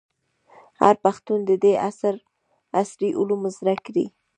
هر پښتون دي عصري علوم زده کړي.